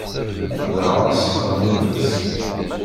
Heddreɣ-as ɣellin-as.